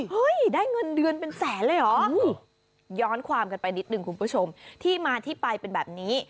ได้เงินเดือนเป็นแสนเลยเหรอย้อนความกันไปนิดนึงคุณผู้ชมที่มาที่ไปเป็นแบบนี้